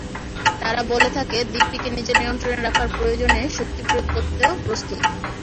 তারা বলে থাকে, দ্বীপটিকে নিজের নিয়ন্ত্রণে রাখার প্রয়োজনে শক্তি প্রয়োগ করতেও প্রস্তুত।